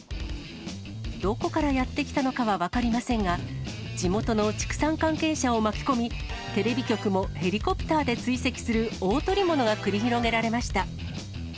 どこからやって来たのかは分かりませんが、地元の畜産関係者を巻き込み、テレビ局もヘリコプターで追跡する大捕り物が繰り広げられました。